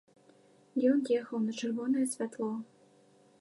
Ён ехаў на чырвонае святло.